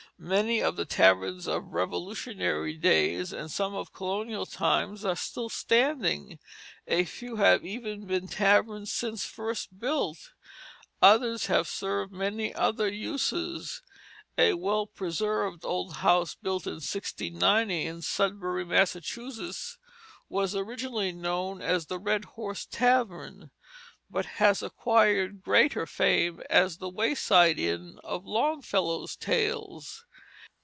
Many of the taverns of Revolutionary days and some of colonial times are still standing. A few have even been taverns since first built; others have served many other uses. A well preserved old house, built in 1690 in Sudbury, Massachusetts, was originally known as the Red Horse Tavern, but has acquired greater fame as the Wayside Inn of Longfellow's Tales.